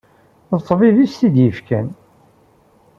D ṭṭbib i s-t-id-yefkan.